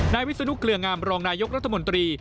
วิศนุเกลืองามรองนายกรัฐมนตรี